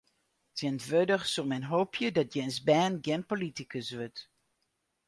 Tsjintwurdich soe men hoopje dat jins bern gjin politikus wurdt.